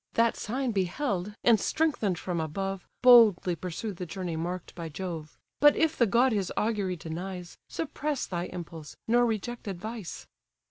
That sign beheld, and strengthen'd from above, Boldly pursue the journey mark'd by Jove: But if the god his augury denies, Suppress thy impulse, nor reject advice."